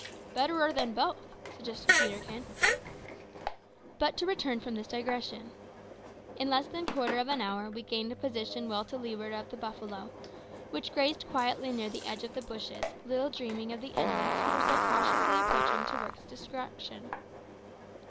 "Betterer than both," suggested Peterkin. But to return from this digression. In less than quarter of an hour we gained a position well to leeward of the buffalo, which grazed quietly near the edge of the bushes, little dreaming of the enemies who were so cautiously approaching to work its destruction.